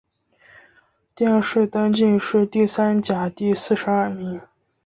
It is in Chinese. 殿试登进士第三甲第四十二名。